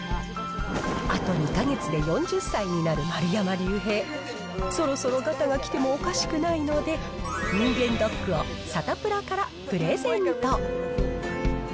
あと２か月で４０歳になる丸山隆平、そろそろがたがきてもおかしくないので、人間ドックをサタプラからプレゼント。